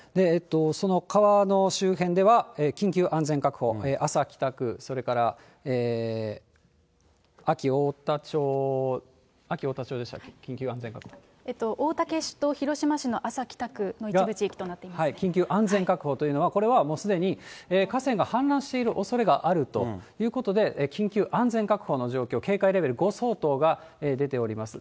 その川の周辺では、緊急安全確保、安佐北区、それから安芸太田町でしたっけ、大竹市と広島市の安佐北区の緊急安全確保というのは、これはもうすでに河川が氾濫しているおそれがあるということで、緊急安全確保の状況、警戒レベル５相当が出ております。